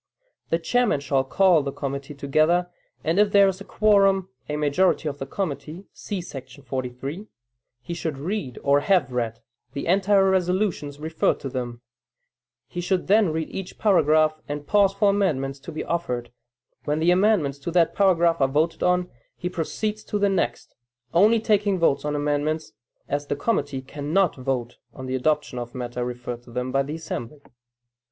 The chairman shall call the committee together, and if there is a quorum (a majority of the committee, see § 43,) he should read or have read, the entire resolutions referred to them; he should then read each paragraph, and pause for amendments to be offered; when the amendments to that paragraph are voted on he proceeds to the next, only taking votes on amendments, as the committee cannot vote on the adoption of matter referred to them by the assembly.